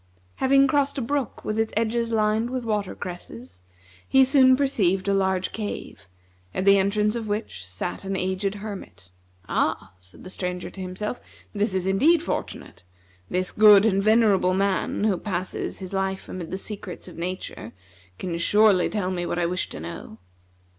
Having crossed a brook with its edges lined with water cresses, he soon perceived a large cave, at the entrance of which sat an aged hermit. "Ah," said the Stranger to himself, "this is indeed fortunate! This good and venerable man, who passes his life amid the secrets of nature, can surely tell me what I wish to know."